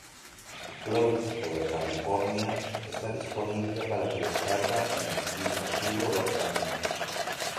Clouds Over California está disponible para su descarga en "Guitar Hero Rock Band".